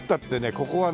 ここはね